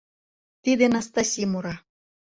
— Тиде Настаси мура.